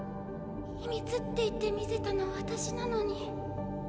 ひみつって言って見せたの私なのに。